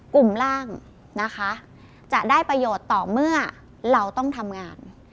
กลุ่มล่างนะคะจะได้ประโยชน์ต่อเมื่อเราต้องทำงาน